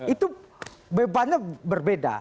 itu bebannya berbeda